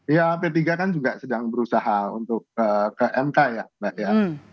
ya p tiga kan juga sedang berusaha untuk ke mk ya mbak ya